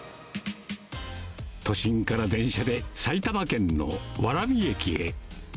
都心から電車で埼玉県の蕨駅へ。